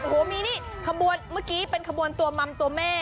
โอ้โหมีนี่ขบวนเมื่อกี้เป็นขบวนตัวมัมตัวแม่